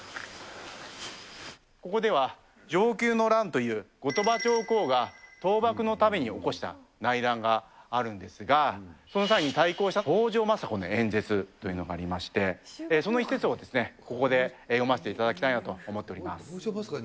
ここでは、承久の乱という、後鳥羽上皇が討幕のために起こした内乱があるんですが、その際にたいこうした北条政子の演説というのがありまして、その一節をですね、ここで読ませていただきたいなと思っております。